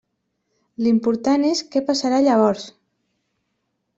L'important és què passarà llavors.